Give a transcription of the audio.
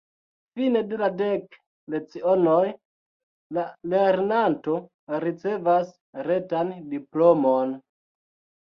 Fine de la dek lecionoj, la lernanto ricevas retan diplomon.